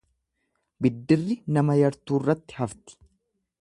Biddirri nama yartuurratti hafti.